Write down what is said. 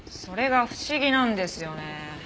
それが不思議なんですよね。